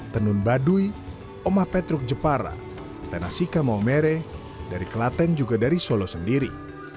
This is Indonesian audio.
tenun baduy omah petruk jepara tenasika maumere dari kelaten juga dari solo sendiri